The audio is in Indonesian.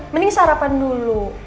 mending sarapan dulu